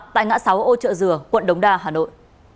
tại ngã sáu ô trợ dừa quận đống đa hà nội